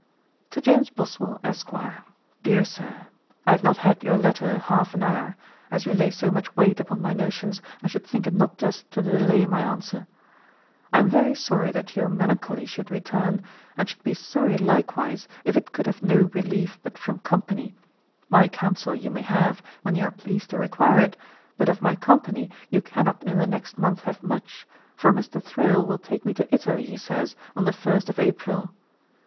'To JAMES BOSWELL, ESQ. 'DEAR SIR, 'I have not had your letter half an hour; as you lay so much weight upon my notions, I should think it not just to delay my answer. 'I am very sorry that your melancholy should return, and should be sorry likewise if it could have no relief but from company. My counsel you may have when you are pleased to require it; but of my company you cannot in the next month have much, for Mr. Thrale will take me to Italy, he says, on the first of April.